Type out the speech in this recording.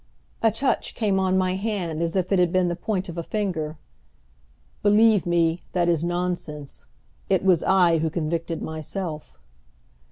A touch came on my hand as if it had been the point of a finger, "Believe me, that is nonsense. It was I who convicted myself."